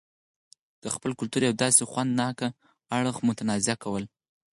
دخپل کلتور يو داسې خوند ناک اړخ متنازعه کول